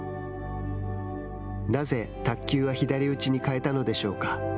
なぜ、卓球は左打ちに変えたのでしょうか。